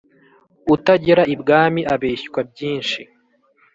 Utagera ibwami abeshywa byinshi.